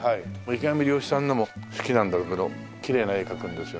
池上遼一さんのも好きなんだけどきれいな絵描くんですよね。